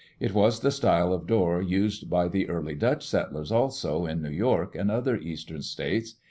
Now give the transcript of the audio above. It was the style of door used by the early Dutch settlers also, in New York and other eastern states.